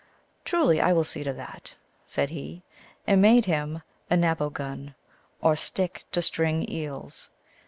44 Truly I will see to that," said he, and made him a naboguri) or stick to string eels.